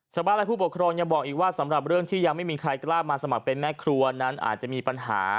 ชาวบ้านและผู้ปกครองยังบอกอีกว่าสำหรับเรื่องที่ยังไม่มีใครกล้ามาสมัครเป็นแม่ครัวนั้นอาจจะมีปัญหา